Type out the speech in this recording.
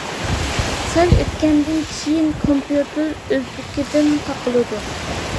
سەل ئۆتكەندىن كېيىن كومپيۇتېر ئۆزلۈكىدىن تاقىلىدۇ.